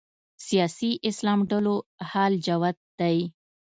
سیاسي اسلام ډلو حال جوت دی